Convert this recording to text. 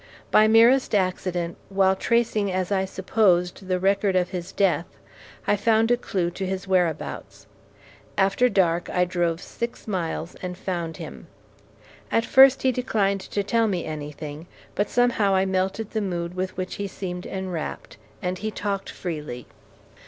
By merest accident, while tracing, as I supposed, the record of his death, I found a clue to his whereabouts. After dark I drove six miles and found him. At first he declined to tell me anything, but somehow I melted the mood with which he seemed enwrapped, and he talked freely.